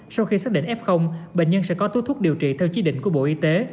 sau khi xác định f bệnh nhân sẽ có thuốc điều trị theo chỉ định của bộ y tế